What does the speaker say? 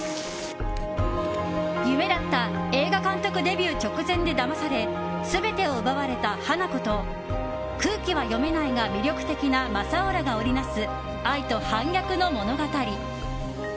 夢だった映画監督デビュー直前でだまされ全てを奪われた花子と空気は読めないが魅力的な正夫らが織りなす愛と反逆の物語。